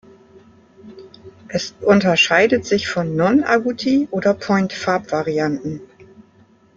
Es unterscheidet sich von Non-agouti oder Point-Farbvarianten.